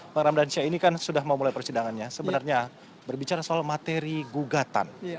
bang ramdansyah ini kan sudah mau mulai persidangannya sebenarnya berbicara soal materi gugatan